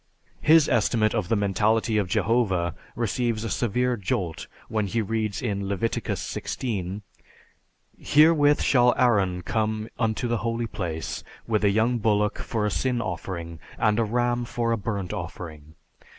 His estimate of the mentality of Jehovah receives a severe jolt when he reads in Leviticus XVI, "Herewith shall Aaron come unto the holy place with a young bullock for a sin offering and a ram for a burnt offering.